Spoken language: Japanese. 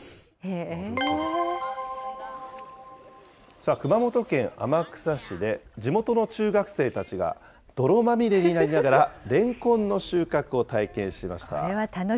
さあ、熊本県天草市で、地元の中学生たちが、泥まみれになりながらレンコンの収穫を体験しました。